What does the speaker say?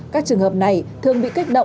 các trường hợp này thường bị kích động lôi kẹp